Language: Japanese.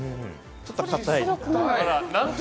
ちょっと硬い。